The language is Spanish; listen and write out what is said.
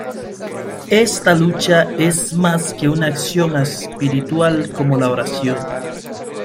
Esta lucha es más que una acción espiritual como la oración.